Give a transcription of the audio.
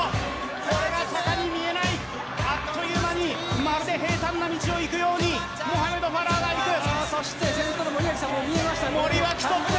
これが坂に見えないあっという間にまるで平たんな道を行くようにモハメド・ファラーが行くそして先頭の森脇さんもう見えました森脇トップ